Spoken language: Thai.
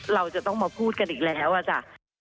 เราจะต้องมาพูดกันอีกแล้วอะจ้ะ